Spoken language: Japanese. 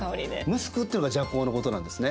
ムスクっていうのが麝香のことなんですね。